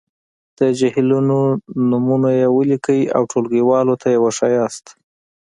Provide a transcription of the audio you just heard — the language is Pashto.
د جهیلونو نومونويې ولیکئ او ټولګیوالو ته یې وښایاست.